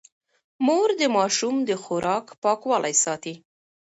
مور د ماشوم د خوراک پاکوالی ساتي.